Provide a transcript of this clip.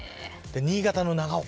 新潟の長岡